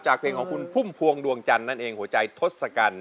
จากเพลงของคุณพุ่มพวงดวงจันโหและหัวใจทดสกัน